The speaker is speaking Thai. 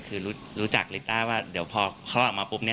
คือรู้จักลิต้าว่าเดี๋ยวพอเขาออกมาปุ๊บเนี่ย